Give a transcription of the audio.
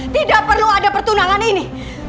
tidak perlu ada pertunangan ini